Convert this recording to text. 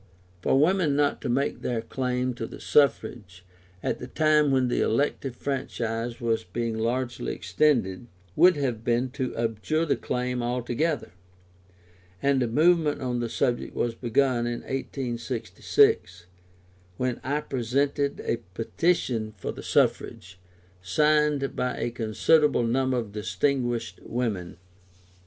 For women not to make their claim to the suffrage, at the time when the elective franchise was being largely extended, would have been to abjure the claim altogether; and a movement on the subject was begun in 1866, when I presented a petition for the suffrage, signed by a considerable number of distinguished women.